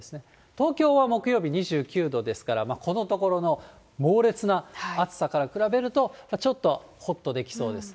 東京は木曜日２９度ですから、このところの猛烈な暑さから比べると、ちょっとほっとできそうです。